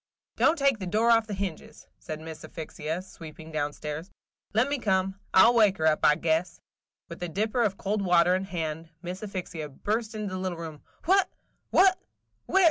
"Don't take the door off the hinges," said Miss Asphyxia, sweeping down stairs. "Let me come; I 'll wake her, I guess!" and with a dipper of cold water in her hand, Miss Asphyxia burst into the little room. "What! – what!